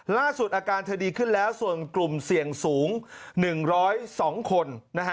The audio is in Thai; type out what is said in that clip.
ล่าสุดอาการเธอดีขึ้นแล้วส่วนกลุ่มเสี่ยงสูง๑๐๒คน